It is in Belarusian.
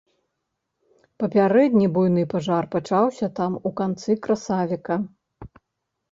Папярэдні буйны пажар пачаўся там у канцы красавіка.